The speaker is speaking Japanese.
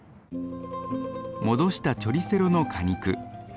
戻したチョリセロの果肉。